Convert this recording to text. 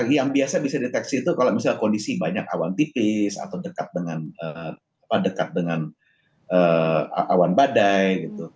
yang biasa bisa deteksi itu kalau misalnya kondisi banyak awan tipis atau dekat dengan awan badai